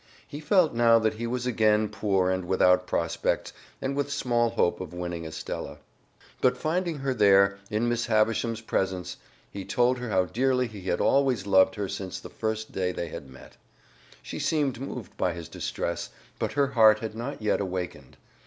He felt now that he was again poor and without prospects, and with small hope of winning Estella. But finding her there, in Miss Havisham's presence, he told her how dearly he had always loved her since the first day they had met. She seemed moved by his distress, but her heart had not yet awakened.